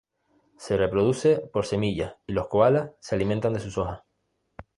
Se reproduce por semillas y los koalas se alimentan de sus hojas.